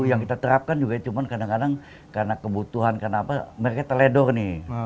yang kita terapkan juga cuma kadang kadang karena kebutuhan karena apa mereka teledor nih